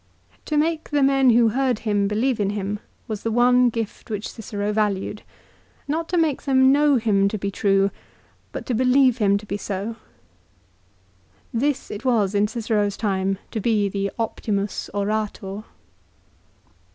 To make the men who heard him believe in him was the one gift which Cicero valued ; not to make them know him to be true, but to believe him to be so. This it was in Cicero's time to be the " Optimus Orator."